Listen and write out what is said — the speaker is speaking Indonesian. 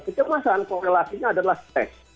kecemasan korelasinya adalah stress